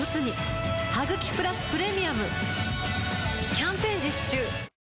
キャンペーン実施中